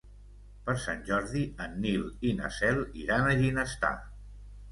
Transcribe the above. Per Sant Jordi en Nil i na Cel iran a Ginestar.